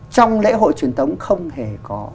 trong lễ hội truyền thống không hề có